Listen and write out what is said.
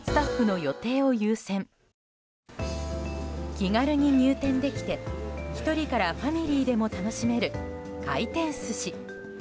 気軽に入店できて１人からファミリーでも楽しめる回転寿司。